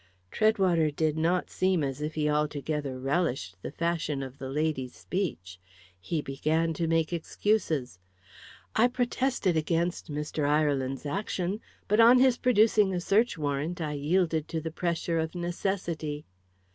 Treadwater did not seem as if he altogether relished the fashion of the lady's speech. He began to make excuses. "I protested against Mr. Ireland's action; but on his producing a search warrant, I yielded to the pressure of necessity."